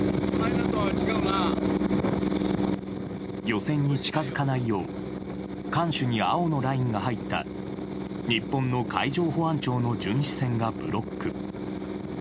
漁船に近づかないよう艦首に青のラインが入った日本の海上保安庁の巡視船がブロック。